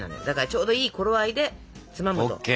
だからちょうどいい頃合いでつまむと。